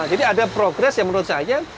jadi ada progres yang menurut saya